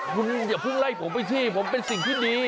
คุณอย่าเพิ่งไล่ผมไปสิผมเป็นสิ่งที่ดี